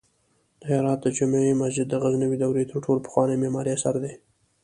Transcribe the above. د هرات د جمعې مسجد د غزنوي دورې تر ټولو پخوانی معماری اثر دی